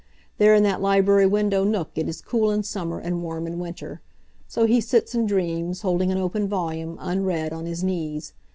There in that library window nook it is cool in summer, and warm in winter. So he sits and dreams, holding an open volume, unread, on his knees.